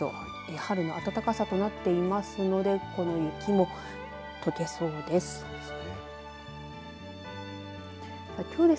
春の暖かさとなっているのでこの雪も解けそうです。